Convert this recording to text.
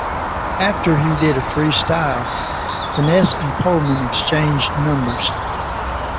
After he did a freestyle, Finesse and Coleman exchanged numbers.